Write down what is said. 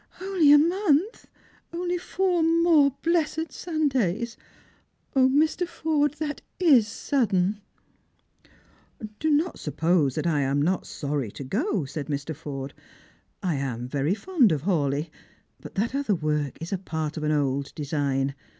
" Only a month — only four more blessed Sundays ! 0, Mr. Forde, that is sudden !"" Do not suppose that I am not sorry to go," said Mr. Forde. 138 Strangers and Pilgrims. "I am very fond of Hawleigh. But that other work ia a pari of an old design.